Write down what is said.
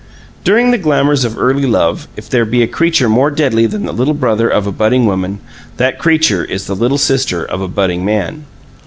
During the glamors of early love, if there be a creature more deadly than the little brother of a budding woman, that creature is the little sister of a budding man.